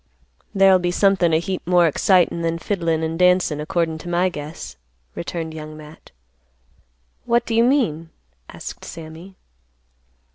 "There'll be somethin' a heap more excitin' than fiddlin' and dancin', accordin' to my guess," returned Young Matt. "What do you mean?" asked Sammy.